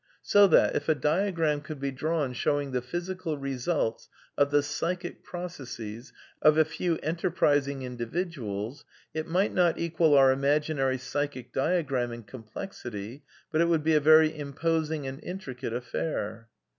So that, if a diagram could be drawn showing the physical results of the psychic processes of a few enterprising indi viduals it might not equal our imaginary psychic diagram in complexity, but it would be a very imposing and intri cate affair.